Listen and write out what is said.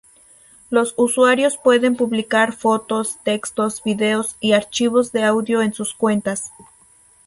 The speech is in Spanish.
Los usuarios pueden publicar fotos, textos, vídeos y archivos de audio en sus cuentas.